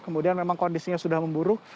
kemudian memang kondisinya sudah memburuk